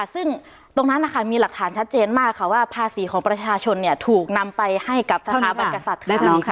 ซึ่งตรงนั้นนะคะมีหลักฐานชัดเจนมากค่ะว่าภาษีของประชาชนถูกนำไปให้กับสถาบันกษัตริย์ค่ะ